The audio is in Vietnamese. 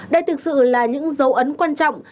đây thực sự là những dấu ấn quan trọng